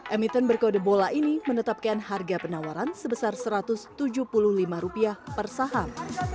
emiten berkode bola ini menetapkan harga penawaran sebesar rp satu ratus tujuh puluh lima per saham